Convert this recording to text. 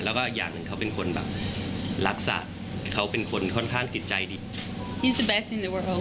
แล้วก็อย่างหนึ่งเขาเป็นคนแบบรักษาเขาเป็นคนค่อนข้างจิตใจดี